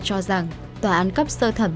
cho rằng tòa án cấp sơ thẩm